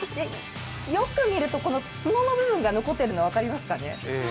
よく見ると、角の部分が残ってるの分かりますかね？